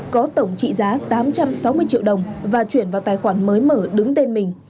có tổng trị giá tám trăm sáu mươi triệu đồng và chuyển vào tài khoản mới mở đứng tên mình